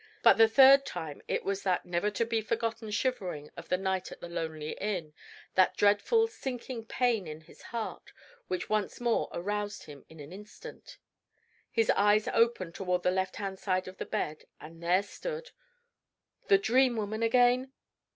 But the third time it was that never to be forgotten shivering of the night at the lonely inn, that dreadful sinking pain at the heart, which once more aroused him in an instant. His eyes opened toward the left hand side of the bed, and there stood The Dream Woman again?